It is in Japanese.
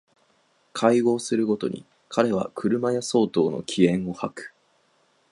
邂逅する毎に彼は車屋相当の気焔を吐く